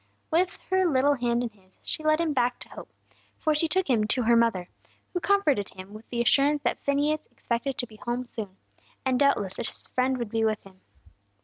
With her little hand in his, she led him back to hope, for she took him to her mother, who comforted him with the assurance that Phineas expected to be home soon, and doubtless his friend would be with him.